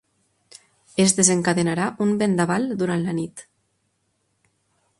Es desencadenarà un vendaval durant la nit!